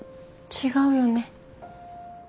違うよね？